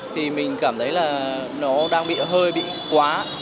thì mình cảm thấy là nó đang bị hơi bị quá